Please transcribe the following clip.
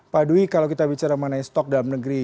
pak dwi kalau kita bicara mengenai stok dalam negeri